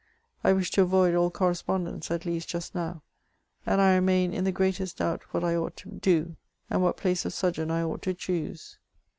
I wish to avoid all correspondence, at least just now, and 1 remain in the greatest doubt what I ought to do, and what place of sojourn 1 ought to choose.